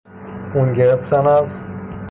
خون گرفتن از...